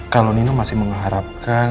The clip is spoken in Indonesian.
kalau nino masih mengharapkan